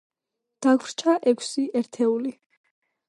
დაგვრჩა ექვსი ერთეული.